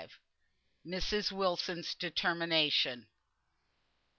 MRS. WILSON'S DETERMINATION.